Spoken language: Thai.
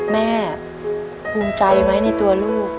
แม่ภูมิใจไหมในตัวลูก